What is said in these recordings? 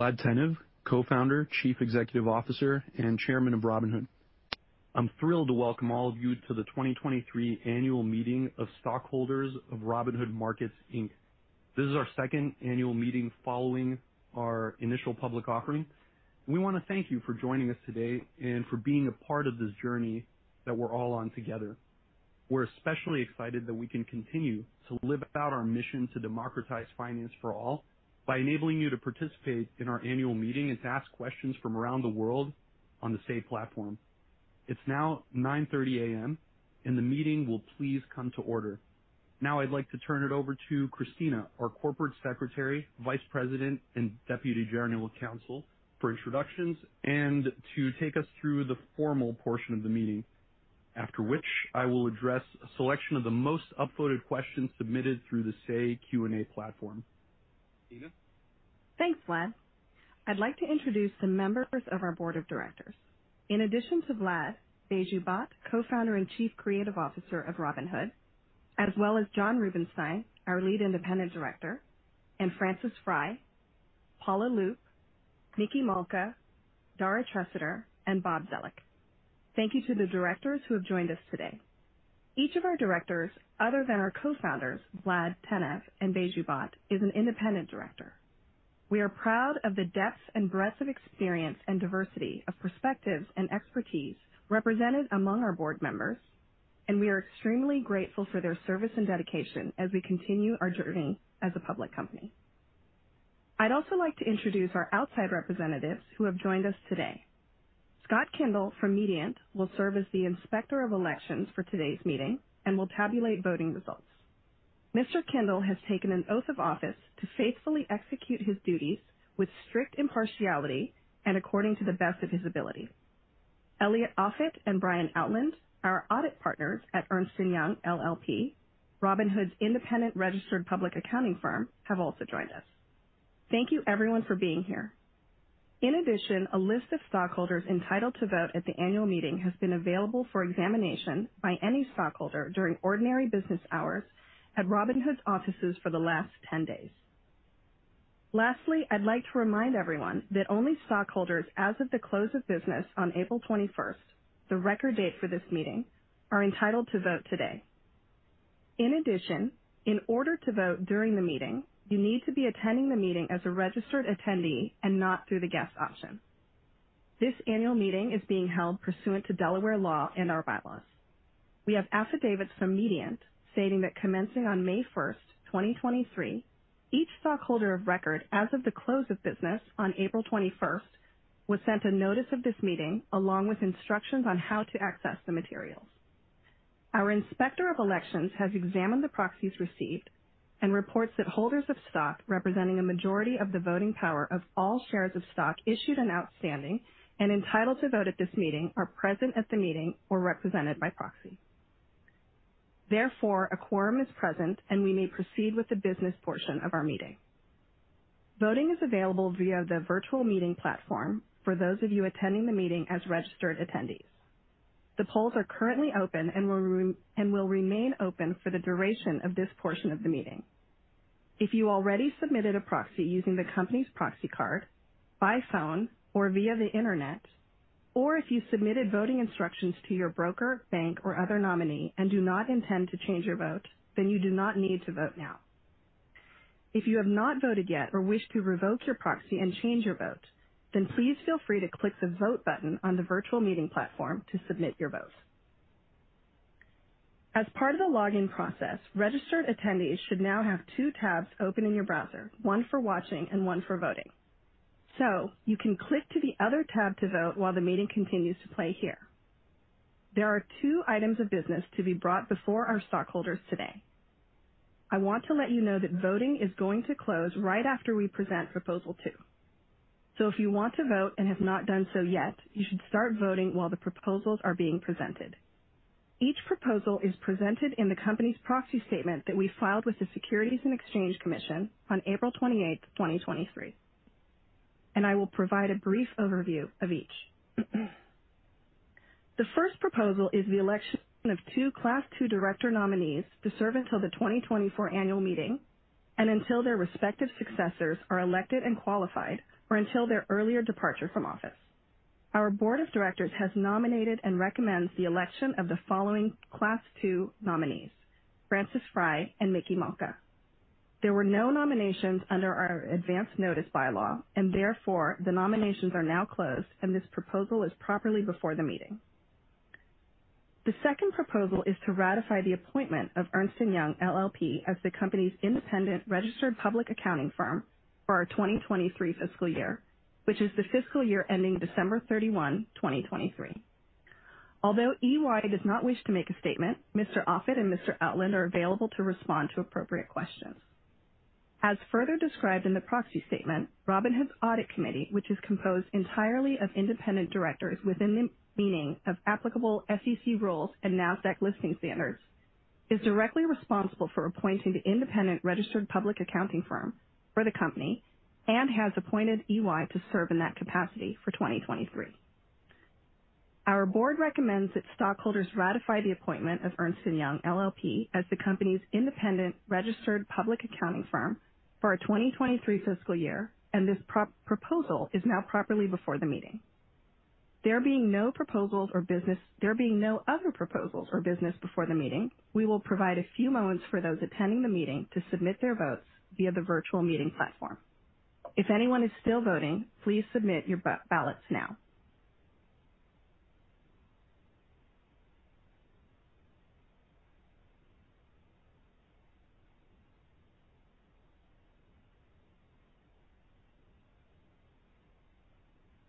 Vlad Tenev, Co-founder, Chief Executive Officer, and Chairman of Robinhood. I'm thrilled to welcome all of you to the 2023 Annual Meeting of Stockholders of Robinhood Markets Inc. This is our second annual meeting following our initial public offering. We wanna thank you for joining us today and for being a part of this journey that we're all on together. We're especially excited that we can continue to live out our mission to democratize finance for all by enabling you to participate in our annual meeting and to ask questions from around the world on the Say platform. It's now 9:30 A.M. The meeting will please come to order. Now I'd like to turn it over to Christina, our Corporate Secretary, Vice President, and Deputy General Counsel, for introductions and to take us through the formal portion of the meeting, after which I will address a selection of the most upvoted questions submitted through the Say Q&A platform. Christina? Thanks, Vlad. I'd like to introduce the members of our Board of Directors. In addition to Vlad, Baiju Bhatt, Co-founder and Chief Creative Officer of Robinhood, as well as Jon Rubinstein, our Lead Independent Director, and Frances Frei, Paula Loop, Meyer Malka, Dara Treseder, and Robert Zoellick. Thank you to the directors who have joined us today. Each of our directors, other than our co-founders, Vlad Tenev and Baiju Bhatt, is an independent director. We are proud of the depth and breadth of experience and diversity of perspectives and expertise represented among our board members, and we are extremely grateful for their service and dedication as we continue our journey as a public company. I'd also like to introduce our outside representatives who have joined us today. Scott Kindle from Mediant will serve as the Inspector of Elections for today's meeting and will tabulate voting results. Mr. Kindle has taken an oath of office to faithfully execute his duties with strict impartiality and according to the best of his ability. Elliot Offit and Brian Outland, our audit partners at Ernst & Young LLP, Robinhood's independent registered public accounting firm, have also joined us. Thank you, everyone, for being here. In addition, a list of stockholders entitled to vote at the annual meeting has been available for examination by any stockholder during ordinary business hours at Robinhood's offices for the last 10 days. Lastly, I'd like to remind everyone that only stockholders as of the close of business on April 21st, the record date for this meeting, are entitled to vote today. In addition, in order to vote during the meeting, you need to be attending the meeting as a registered attendee and not through the guest option. This annual meeting is being held pursuant to Delaware law and our bylaws. We have affidavits from Mediant stating that commencing on May 1st, 2023, each stockholder of record as of the close of business on April 21st, was sent a notice of this meeting, along with instructions on how to access the materials. Our Inspector of Elections has examined the proxies received and reports that holders of stock representing a majority of the voting power of all shares of stock issued and outstanding and entitled to vote at this meeting, are present at the meeting or represented by proxy. A quorum is present, and we may proceed with the business portion of our meeting. Voting is available via the virtual meeting platform for those of you attending the meeting as registered attendees. The polls are currently open and will remain open for the duration of this portion of the meeting. If you already submitted a proxy using the company's proxy card, by phone or via the Internet, or if you submitted voting instructions to your broker, bank, or other nominee and do not intend to change your vote, then you do not need to vote now. If you have not voted yet or wish to revoke your proxy and change your vote, then please feel free to click the Vote button on the virtual meeting platform to submit your vote. As part of the login process, registered attendees should now have two tabs open in your browser, one for watching and one for voting. You can click to the other tab to vote while the meeting continues to play here. There are two items of business to be brought before our stockholders today. I want to let you know that voting is going to close right after we present Proposal 2. If you want to vote and have not done so yet, you should start voting while the proposals are being presented. Each proposal is presented in the company's proxy statement that we filed with the Securities and Exchange Commission on April 28th, 2023, and I will provide a brief overview of each. The first proposal is the election of two Class 2 director nominees to serve until the 2024 Annual Meeting and until their respective successors are elected and qualified or until their earlier departure from office. Our Board of Directors has nominated and recommends the election of the following Class 2 nominees: Frances Frei and Meyer Malka. There were no nominations under our advanced notice bylaw, and therefore, the nominations are now closed, and this proposal is properly before the meeting. The second proposal is to ratify the appointment of Ernst & Young LLP as the company's independent registered public accounting firm for our 2023 fiscal year, which is the fiscal year ending December 31, 2023. Although EY does not wish to make a statement, Mr. Offit and Mr. Outland are available to respond to appropriate questions. As further described in the proxy statement, Robinhood's Audit Committee, which is composed entirely of independent directors within the meaning of applicable SEC rules and Nasdaq listing standards, is directly responsible for appointing the independent registered public accounting firm for the company and has appointed EY to serve in that capacity for 2023. Our Board recommends that stockholders ratify the appointment of Ernst & Young LLP as the company's independent registered public accounting firm for our 2023 fiscal year. This proposal is now properly before the meeting. There being no proposals or business, there being no other proposals or business before the meeting, we will provide a few moments for those attending the meeting to submit their votes via the virtual meeting platform. If anyone is still voting, please submit your ballots now.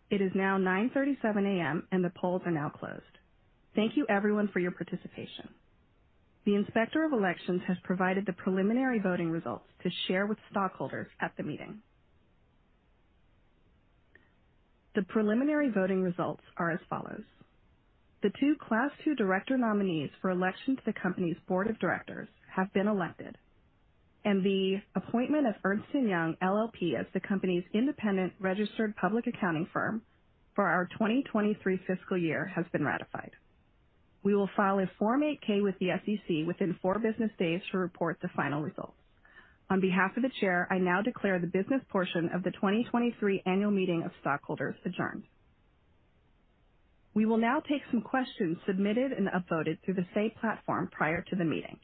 It is now 9:37 A.M. The polls are now closed. Thank you everyone for your participation. The Inspector of Elections has provided the preliminary voting results to share with stockholders at the meeting. The preliminary voting results are as follows: The two Class 2 director nominees for election to the company's Board of Directors have been elected, and the appointment of Ernst & Young LLP, as the company's independent registered public accounting firm for our 2023 fiscal year has been ratified. We will file a Form 8-K with the SEC within four business days to report the final results. On behalf of the chair, I now declare the business portion of the 2023 Annual Meeting of Stockholders adjourned. We will now take some questions submitted and upvoted through the Say platform prior to the meeting.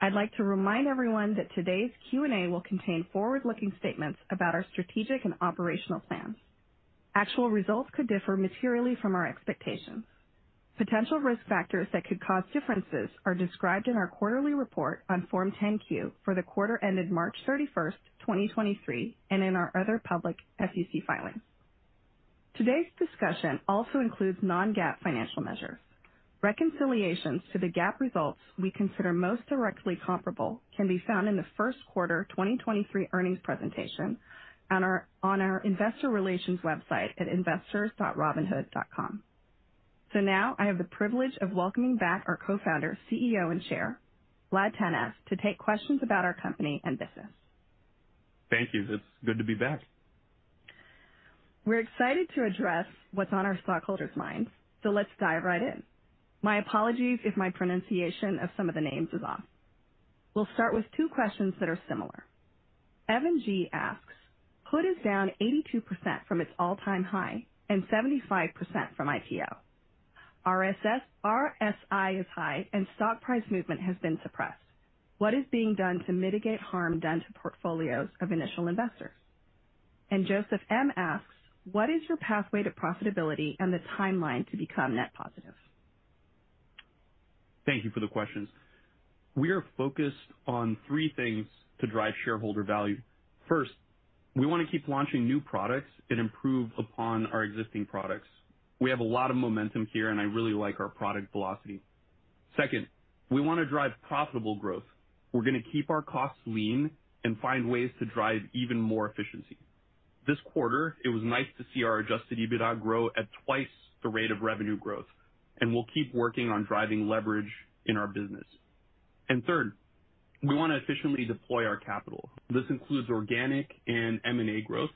I'd like to remind everyone that today's Q&A will contain forward-looking statements about our strategic and operational plans. Actual results could differ materially from our expectations. Potential risk factors that could cause differences are described in our quarterly report on Form 10-Q for the quarter ended March 31st, 2023, and in our other public SEC filings. Today's discussion also includes non-GAAP financial measures. Reconciliations to the GAAP results we consider most directly comparable can be found in the first quarter 2023 earnings presentation on our investor relations website at investors.robinhood.com. Now I have the privilege of welcoming back our Co-founder, CEO, and Chair, Vlad Tenev, to take questions about our company and business. Thank you. It's good to be back. We're excited to address what's on our stockholders' minds, so let's dive right in. My apologies if my pronunciation of some of the names is off. We'll start with two questions that are similar. Evan G. asks: "HOOD is down 82% from its all-time high and 75% from IPO. RSS, RSI is high and stock price movement has been suppressed. What is being done to mitigate harm done to portfolios of initial investors?" Joseph M. asks: "What is your pathway to profitability and the timeline to become net positive? Thank you for the questions. We are focused on three things to drive shareholder value. First, we wanna keep launching new products and improve upon our existing products. We have a lot of momentum here, and I really like our product velocity. Second, we wanna drive profitable growth. We're gonna keep our costs lean and find ways to drive even more efficiency. This quarter, it was nice to see our adjusted EBITDA grow at 2x the rate of revenue growth, and we'll keep working on driving leverage in our business. Third, we wanna efficiently deploy our capital. This includes organic and M&A growth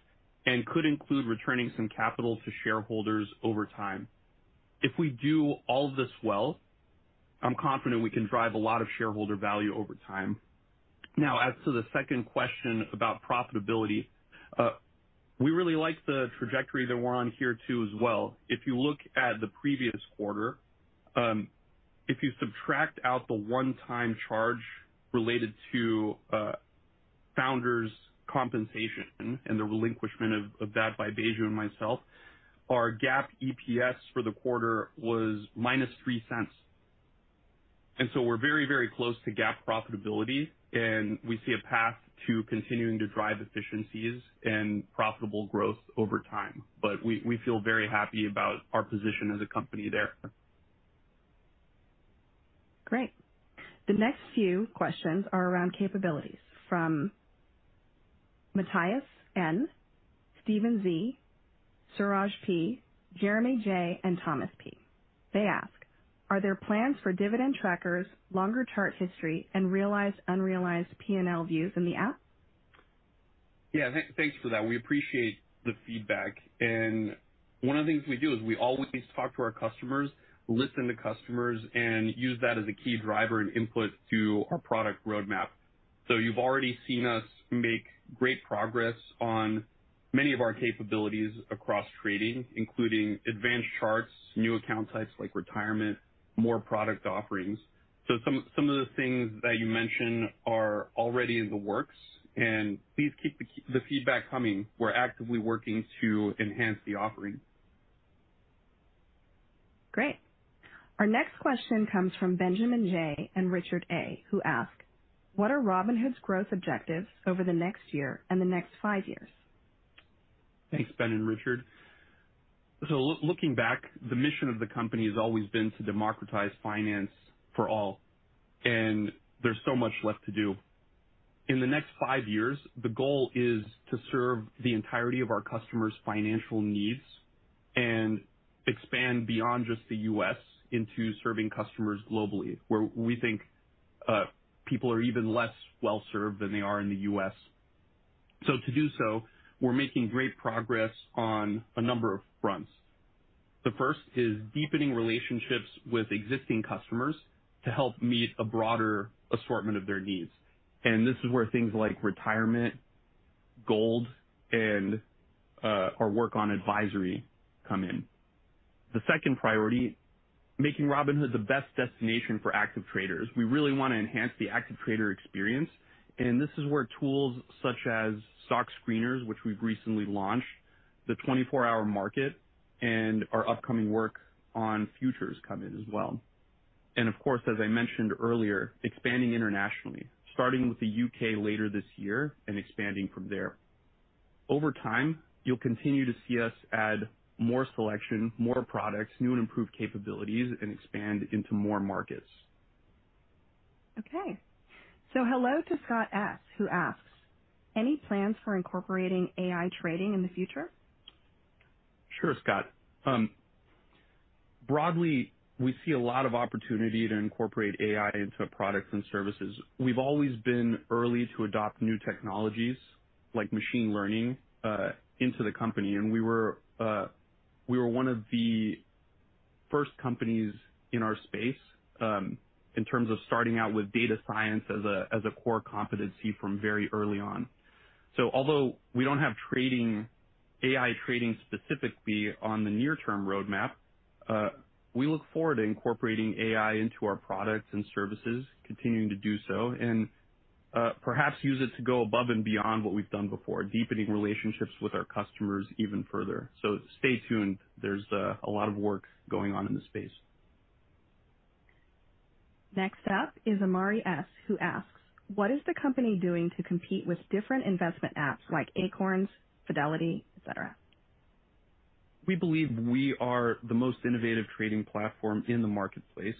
and could include returning some capital to shareholders over time. If we do all this well, I'm confident we can drive a lot of shareholder value over time. As to the second question about profitability, we really like the trajectory that we're on here, too, as well. If you look at the previous quarter, if you subtract out the one-time charge related to founders' compensation and the relinquishment of that by Baiju and myself, our GAAP EPS for the quarter was -$0.03. We're very, very close to GAAP profitability, and we see a path to continuing to drive efficiencies and profitable growth over time. We feel very happy about our position as a company there. Great. The next few questions are around capabilities from Matthias N., Steven Z., Suraj P., Jeremy J., and Thomas P. They ask, "Are there plans for dividend trackers, longer chart history, and realized unrealized P&L views in the app? Yeah, thanks for that. We appreciate the feedback, and one of the things we do is we always talk to our customers, listen to customers, and use that as a key driver and input to our product roadmap. So you've already seen us make great progress on many of our capabilities across trading, including advanced charts, new account types like retirement, more product offerings. So some of the things that you mentioned are already in the works, and please keep the feedback coming. We're actively working to enhance the offerings. Great. Our next question comes from Benjamin J. and Richard A., who ask, "What are Robinhood's growth objectives over the next year and the next five years? Thanks, Ben and Richard. Looking back, the mission of the company has always been to democratize finance for all, and there's so much left to do. In the next five years, the goal is to serve the entirety of our customers' financial needs and expand beyond just the U.S. into serving customers globally, where we think people are even less well served than they are in the U.S. To do so, we're making great progress on a number of fronts. The first is deepening relationships with existing customers to help meet a broader assortment of their needs. This is where things like retirement, Gold, and our work on advisory come in. The second priority, making Robinhood the best destination for active traders. We really want to enhance the active trader experience. This is where tools such as stock screeners, which we've recently launched, the 24 Hour Market, and our upcoming work on futures come in as well. Of course, as I mentioned earlier, expanding internationally, starting with the U.K. later this year and expanding from there. Over time, you'll continue to see us add more selection, more products, new and improved capabilities, and expand into more markets. Hello to Scott S., who asks: Any plans for incorporating AI trading in the future? Sure, Scott. Broadly, we see a lot of opportunity to incorporate AI into products and services. We've always been early to adopt new technologies, like machine learning, into the company, and we were one of the first companies in our space, in terms of starting out with data science as a, as a core competency from very early on. Although we don't have trading, AI trading specifically on the near-term roadmap, we look forward to incorporating AI into our products and services, continuing to do so, and perhaps use it to go above and beyond what we've done before, deepening relationships with our customers even further. Stay tuned. There's a lot of work going on in this space. Next up is Amari S., who asks: What is the company doing to compete with different investment apps like Acorns, Fidelity, et cetera? We believe we are the most innovative trading platform in the marketplace.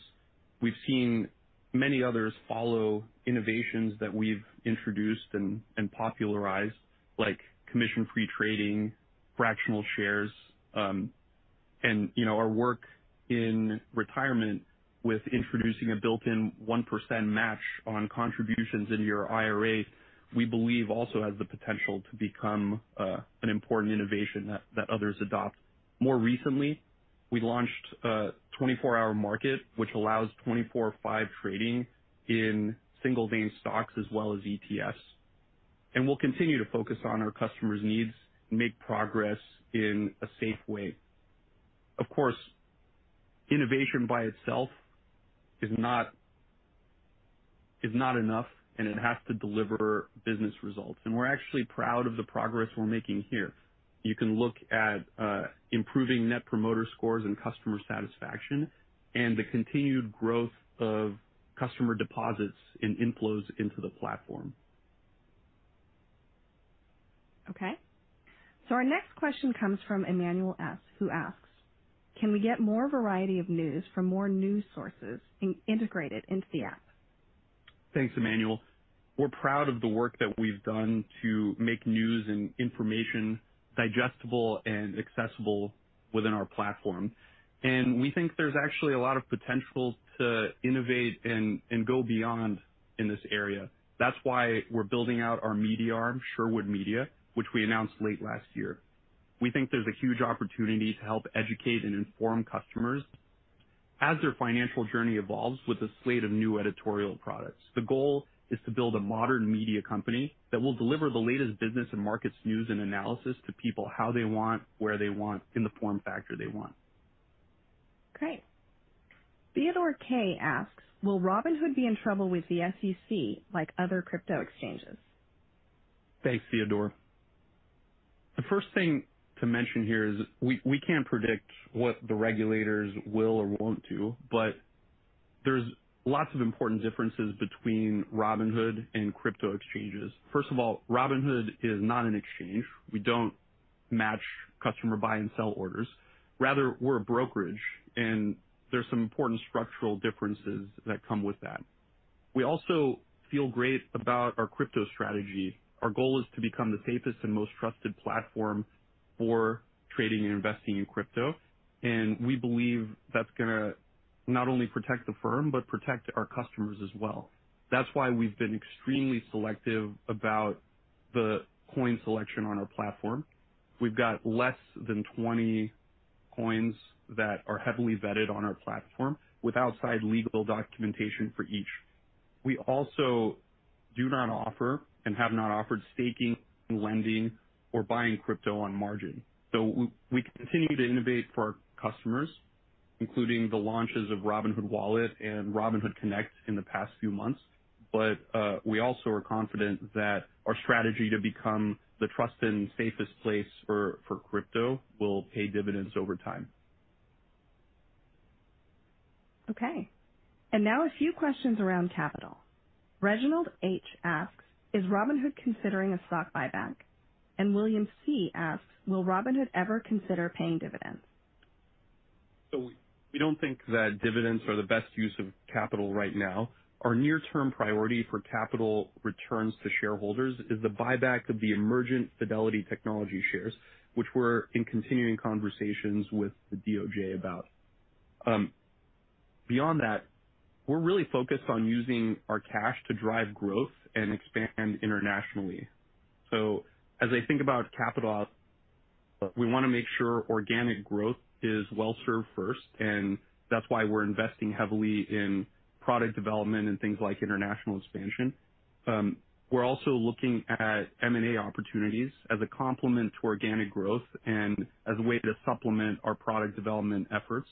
We've seen many others follow innovations that we've introduced and popularized, like commission-free trading, fractional shares, and, you know, our work in retirement with introducing a built-in 1% match on contributions into your IRA, we believe, also has the potential to become an important innovation that others adopt. More recently, we launched a 24 Hour Market, which allows 24/5 trading in single-name stocks as well as ETFs. We'll continue to focus on our customers' needs and make progress in a safe way. Of course, innovation by itself is not enough, and it has to deliver business results, and we're actually proud of the progress we're making here. You can look at improving net promoter scores and customer satisfaction and the continued growth of customer deposits and inflows into the platform. Okay. Our next question comes from Emmanuel S., who asks: Can we get more variety of news from more news sources integrated into the app? Thanks, Emmanuel. We're proud of the work that we've done to make news and information digestible and accessible within our platform. We think there's actually a lot of potential to innovate and go beyond in this area. That's why we're building out our media arm, Sherwood Media, which we announced late last year. We think there's a huge opportunity to help educate and inform customers as their financial journey evolves with a slate of new editorial products. The goal is to build a modern media company that will deliver the latest business and markets news and analysis to people how they want, where they want, in the form factor they want. Great. Theodore K. asks: Will Robinhood be in trouble with the SEC like other crypto exchanges? Thanks, Theodore. The first thing to mention here is we can't predict what the regulators will or won't do, but there's lots of important differences between Robinhood and crypto exchanges. First of all, Robinhood is not an exchange. We don't match customer buy and sell orders. Rather, we're a brokerage, and there's some important structural differences that come with that. We also feel great about our crypto strategy. Our goal is to become the safest and most trusted platform for trading and investing in crypto, and we believe that's going to not only protect the firm, but protect our customers as well. That's why we've been extremely selective about the coin selection on our platform. We've got less than 20 coins that are heavily vetted on our platform with outside legal documentation for each. We also do not offer and have not offered staking, lending, or buying crypto on margin. We continue to innovate for our customers, including the launches of Robinhood Wallet and Robinhood Connect in the past few months, but we also are confident that our strategy to become the trusted and safest place for crypto will pay dividends over time. Okay, now a few questions around capital. Reginald H. asks: Is Robinhood considering a stock buyback? William C. asks: Will Robinhood ever consider paying dividends? We don't think that dividends are the best use of capital right now. Our near-term priority for capital returns to shareholders is the buyback of the Emergent Fidelity Technologies shares, which we're in continuing conversations with the DOJ about. Beyond that, we're really focused on using our cash to drive growth and expand internationally. As I think about capital, we wanna make sure organic growth is well served first, and that's why we're investing heavily in product development and things like international expansion. We're also looking at M&A opportunities as a complement to organic growth and as a way to supplement our product development efforts.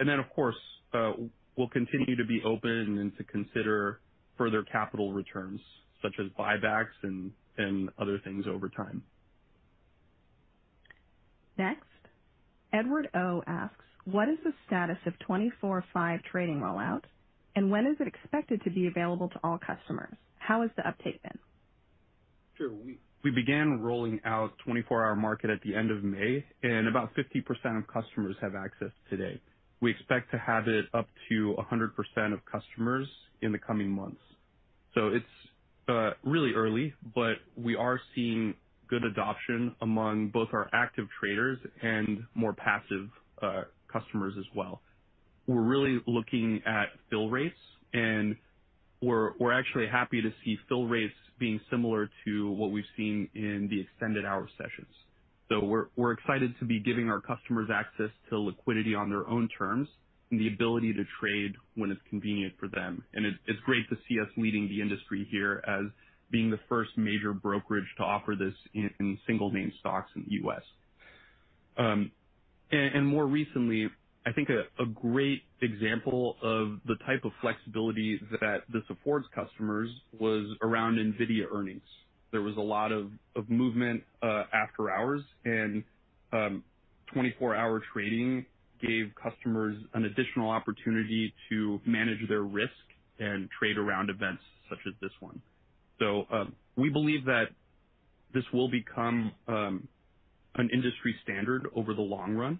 Of course, we'll continue to be open and to consider further capital returns, such as buybacks and other things over time. Next, Edward O. asks: What is the status of 24/5 trading rollout, and when is it expected to be available to all customers? How has the uptake been? Sure. We began rolling out 24 Hour Market at the end of May, about 50% of customers have access today. We expect to have it up to 100% of customers in the coming months. It's really early, but we are seeing good adoption among both our active traders and more passive customers as well. We're really looking at fill rates, we're actually happy to see fill rates being similar to what we've seen in the extended hour sessions. We're excited to be giving our customers access to liquidity on their own terms and the ability to trade when it's convenient for them. It's great to see us leading the industry here as being the first major brokerage to offer this in single name stocks in the U.S. More recently, I think a great example of the type of flexibility that this affords customers was around NVIDIA earnings. There was a lot of movement after hours, 24-hour trading gave customers an additional opportunity to manage their risk and trade around events such as this one. We believe that this will become an industry standard over the long run.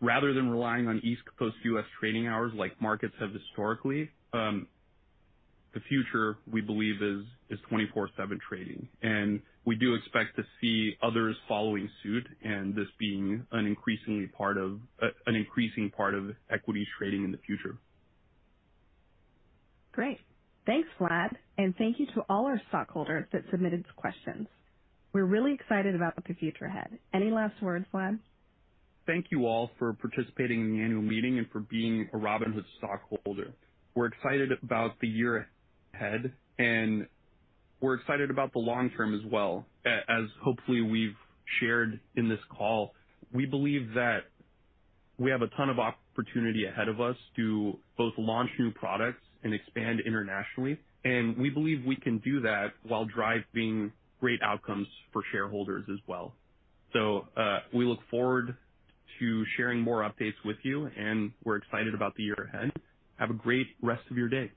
Rather than relying on East Coast U.S. trading hours, like markets have historically, the future, we believe is 24/7 trading, we do expect to see others following suit and this being an increasingly part of an increasing part of equities trading in the future. Great. Thanks, Vlad, thank you to all our stockholders that submitted questions. We're really excited about the future ahead. Any last words, Vlad? Thank you all for participating in the annual meeting and for being a Robinhood stockholder. We're excited about the year ahead, and we're excited about the long term as well. As hopefully we've shared in this call, we believe that we have a ton of opportunity ahead of us to both launch new products and expand internationally, and we believe we can do that while driving great outcomes for shareholders as well. We look forward to sharing more updates with you, and we're excited about the year ahead. Have a great rest of your day.